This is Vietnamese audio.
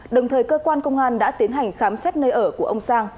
đồng thời cơ quan công an đã tiến hành khám xét nơi ở của ông sang